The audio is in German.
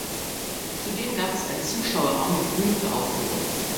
Zudem gab es einen Zuschauerraum mit Bühne für Aufführungen.